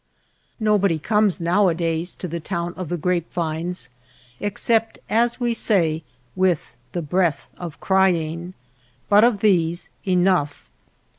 Nobody comes nowadays to the town of the grape vines except, as we say, " with the breath of crying," but of these enough.